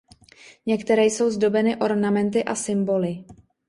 Některé jsou zdobeny ornamenty a symboly.